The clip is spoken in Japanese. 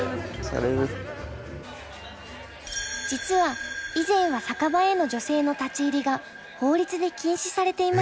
実は以前は酒場への女性の立ち入りが法律で禁止されていました。